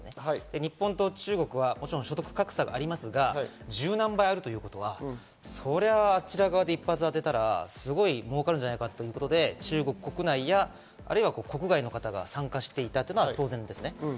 日本と中国は所得格差がありますが、１０何倍あるということは、そりゃあ、あちら側で一発当てたら、すごい儲かるんじゃないかということで、中国国内や国外の方が参加していたというのは当然ですね。